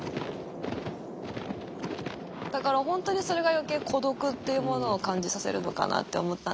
だからほんとにそれが余計孤独っていうものを感じさせるのかなって思ったんですけど。